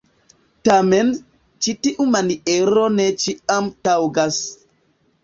Tamen, ĉi tiu maniero ne ĉiam taŭgas.